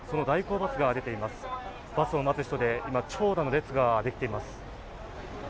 バスを待つ人で長蛇の列ができています。